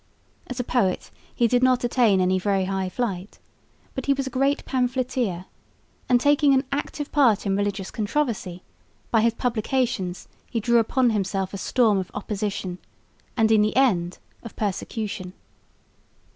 As a poet he did not attain any very high flight, but he was a great pamphleteer, and, taking an active part in religious controversy, by his publications he drew upon himself a storm of opposition and in the end of persecution.